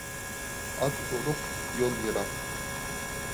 ئات ئورۇق، يول يىراق.